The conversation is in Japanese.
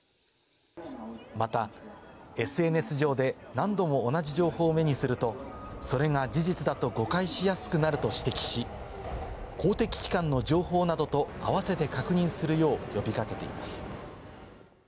また、ＳＮＳ上で何度も同じ情報を目にすると、それが事実だと誤解しやすくなると指摘し、公的機関の情報などと併せて確認するよう呼び掛けています。